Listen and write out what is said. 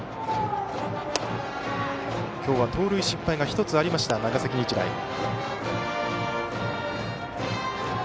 今日は盗塁失敗が１つある長崎日大。